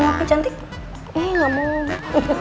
mas al sudah dateng pete